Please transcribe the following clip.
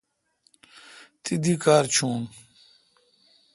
تی دی کار چیون۔